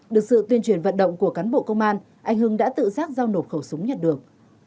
được sự tuyên truyền vận động của cán bộ công an anh hưng đã tự giác giao nộp khẩu súng nhận được